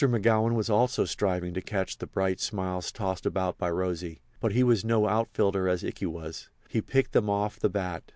McGowan was also striving to catch the bright smiles tossed about by Rosy. But he was no outfielder as Ikey was; he picked them off the bat.